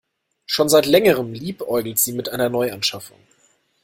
Schon seit längerem liebäugelt sie mit einer Neuanschaffung.